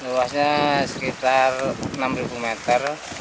luasnya sekitar enam meter